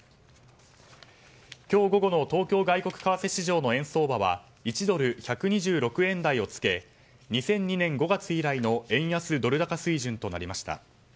今日午後の東京外国為替市場の円相場は１ドル＝１２６円台をつけ２００２年５月以来の円安ドル高水準となりました。